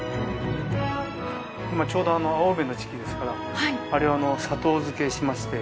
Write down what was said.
今ちょうど青梅の時期ですからあれを砂糖漬けにしまして。